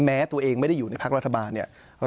แม้ตัวเองไม่ได้อยู่ในภักดิ์การเมืองรัฐบาล